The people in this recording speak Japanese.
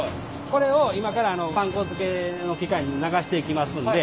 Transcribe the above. これを今からパン粉づけの機械に流していきますんで。